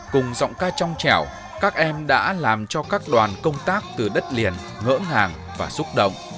cùng giọng ca trong trẻo các em đã làm cho các đoàn công tác từ đất liền ngỡ ngàng và xúc động